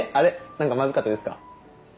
なんかまずかったですか？